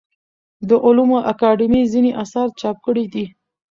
د علومو اکاډمۍ ځینې اثار چاپ کړي دي.